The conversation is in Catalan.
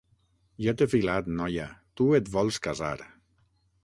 Ja t'he filat, noia: tu et vols casar.